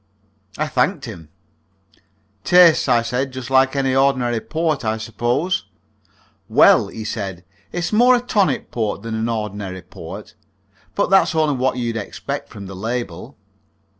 I thanked him. "Tastes," I said, "just like any ordinary port, I suppose?" "Well," he said, "it's more a tonic port than an ordinary port. But that's only what you'd expect from the label."